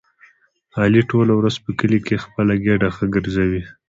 علي ټوله ورځ په کلي خپله ګېډه ګرځوي.